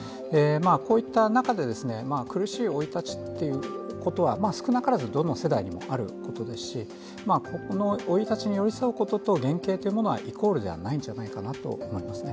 こういった中で、苦しい生い立ちということは少なからずどの世代にもあることですしここの生い立ちに寄り添うことと減刑はイコールではないんじゃないかと思いますね。